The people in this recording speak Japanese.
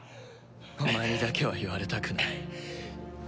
お前にだけは言われたくない。